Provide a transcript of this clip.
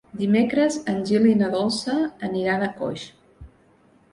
Dimecres en Gil i na Dolça aniran a Coix.